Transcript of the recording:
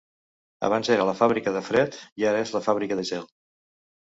Abans era La fàbrica de fred i ara és La fàbrica de gel.